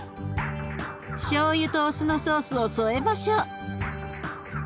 しょうゆとお酢のソースを添えましょう。